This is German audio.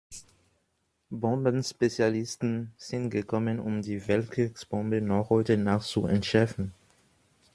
Bombenspezialisten sind gekommen, um die Weltkriegsbombe noch heute Nacht zu entschärfen.